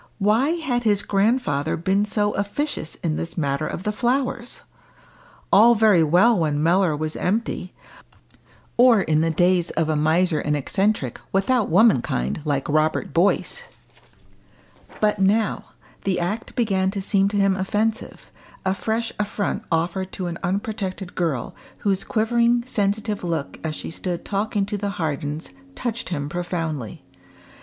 Why had his grandfather been so officious in this matter of the flowers? All very well when Mellor was empty, or in the days of a miser and eccentric, without womankind, like Robert Boyce. But now the act began to seem to him offensive, a fresh affront offered to an unprotected girl, whose quivering sensitive look as she stood talking to the Hardens touched him profoundly.